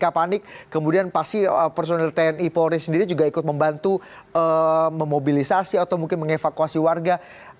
ketika panik kemudian pasti personil tni polri sendiri juga ikut membantu memobilisasi atau mungkin mengevakuasi warga